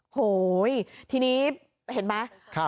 โหยทีนี้เห็นไหม